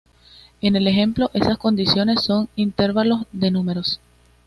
En el ejemplo esas condiciones son intervalos de números.